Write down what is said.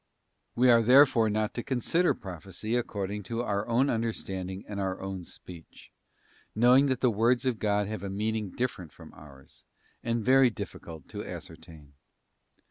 We are therefore not to consider Prophecy according to our own understanding and our own speech, knowing that the words of God have a meaning different from ours, and very difficult to ascertain.